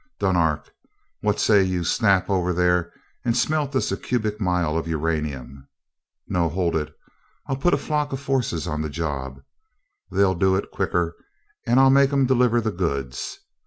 Dunark, what say you snap over there and smelt us a cubic mile of uranium? No hold it I'll put a flock of forces on the job. They'll do it quicker, and I'll make 'em deliver the goods.